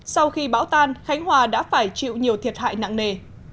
sau khi bão tan khánh hòa đã phải chịu nhiều thiệt hại nặng nề